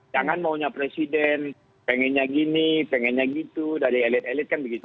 jangan maunya presiden pengennya gini pengennya gitu dari elit elit kan begitu